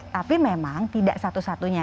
tapi memang tidak satu satunya